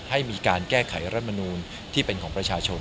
ให้มีการแก้ไขรัฐมนูลที่เป็นของประชาชน